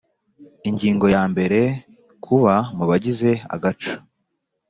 Ingingo ya mbere Kuba mu bagize agaco